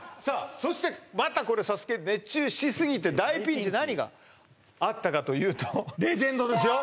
そしてまたこれ「ＳＡＳＵＫＥ熱中しすぎて大ピンチ」何があったかというとレジェンドですよ